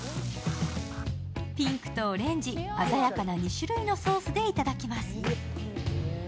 ピンクとオレンジ、鮮やかな２種類のソースでいただきます。